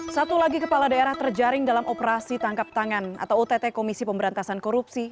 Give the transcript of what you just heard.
satu lagi kepala daerah terjaring dalam operasi tangkap tangan atau ott komisi pemberantasan korupsi